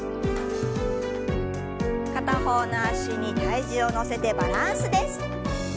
片方の脚に体重を乗せてバランスです。